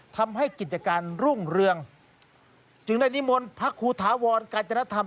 ทำให้กิจการรุ่งเรืองจึงได้นิมนต์พระครูถาวรกาญจนธรรม